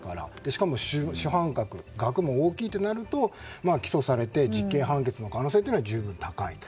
しかも主犯格額も大きいとなると起訴されて実刑判決の可能性は十分、高いと。